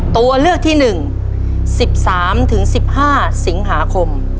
ตัวเลือกที่๑๑๓๑๕สิงหาคม